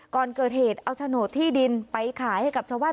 ก่อนเกิดเหตุเอาโฉนดที่ดินไปขายให้กับชาวบ้าน